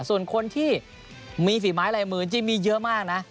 ส่วนคนที่มีฝีไม้ลายมือจริงมีเยอะมากนะ